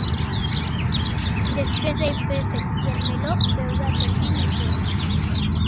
Després del préssec i el meló beuràs el vi millor.